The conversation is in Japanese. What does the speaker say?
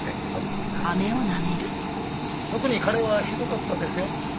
特に彼はひどかったですよ。